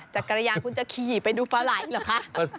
จักรยานคุณจะขี่ไปดูปลาไหล่เหรอคะ